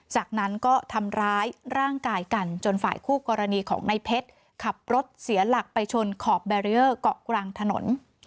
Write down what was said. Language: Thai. จากนั้นก็ทำร้ายร่างกายกันจนฝ่ายคู่กรณีของนายเพชรขับรถเสียหลักไปชนขอบกลางถนน